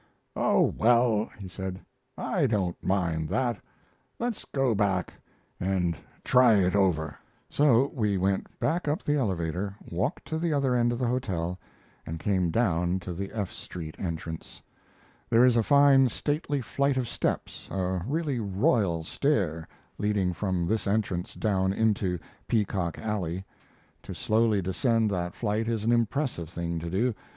"Oh, well," he said, "I don't mind that. Let's go back and try it over." So we went back up the elevator, walked to the other end of the hotel, and came down to the F Street entrance. There is a fine, stately flight of steps a really royal stair leading from this entrance down into "Peacock Alley." To slowly descend that flight is an impressive thing to do.